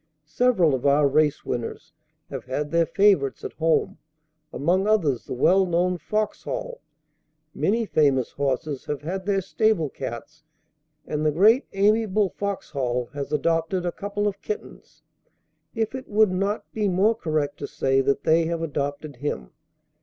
Several of our "race winners" have had their favourites at home, among others the well known "Foxhall." "Many famous horses have had their stable cats, and the great, amiable Foxhall has adopted a couple of kittens, if it would not be more correct to say that they have adopted him.